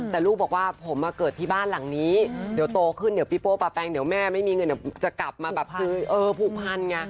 แต่ลูกบอกว่าผมมาเกิดที่บ้านหลังนี้เดี๋ยวโตขึ้นเดี๋ยวพี่โป้ป๊าแปงเดี๋ยวแม่ไม่มีเงินเดี๋ยวจะกลับมาแบบซื้อเออผูกพันไง